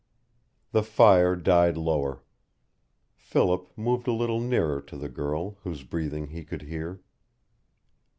The fire died lower. Philip moved a little nearer to the girl, whose breathing he could hear.